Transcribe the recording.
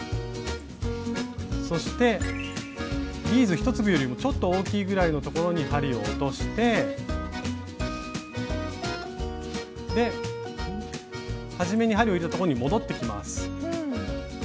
そしてビーズ１粒よりもちょっと大きいぐらいのところに針を落として始めに針を入れたところに戻ってきます。